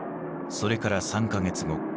それから３か月後。